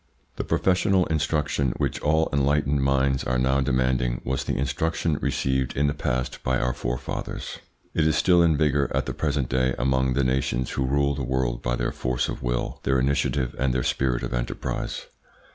The professional instruction which all enlightened minds are now demanding was the instruction received in the past by our forefathers. It is still in vigour at the present day among the nations who rule the world by their force of will, their initiative, and their spirit of enterprise.